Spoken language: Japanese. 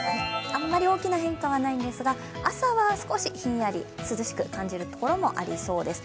あんまり大きな変化はないんですが、朝は少しひんやり、涼しく感じるところもありそうです。